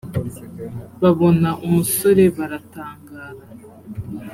babona umusore baratangara